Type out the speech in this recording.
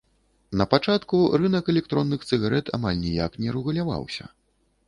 Напачатку рынак электронных цыгарэт амаль ніяк не рэгуляваўся.